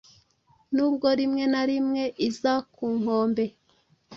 nubwo rimwe na rimwe iza ku nkombe